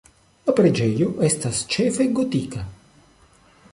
La preĝejo estas ĉefe gotika.